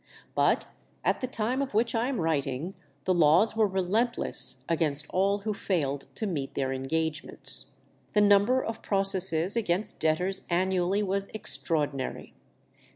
But at the time of which I am writing the laws were relentless against all who failed to meet their engagements. The number of processes against debtors annually was extraordinary.